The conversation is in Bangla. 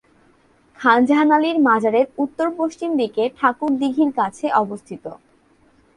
খান জাহান আলীর মাজারের উত্তর পশ্চিম দিকে ঠাকুর দিঘির কাছে অবস্থিত।